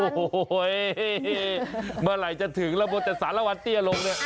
โอ้ยเมื่อไหร่จะถึงระบวนแต่สารวรรณติ๋ยลง